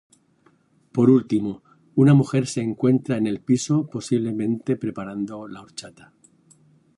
Por último, una mujer se encuentra en el piso posiblemente preparando la horchata.